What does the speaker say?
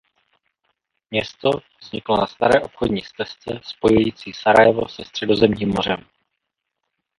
Město vzniklo na staré obchodní stezce spojující Sarajevo se Středozemním mořem.